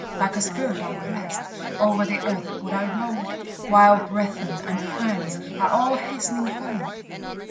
Like a spirit unblest, o'er the earth would I roam, While brethren and friends are all hastening home?